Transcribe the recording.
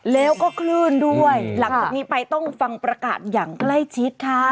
แล้วก็คลื่นด้วยหลังจากนี้ไปต้องฟังประกาศอย่างใกล้ชิดค่ะ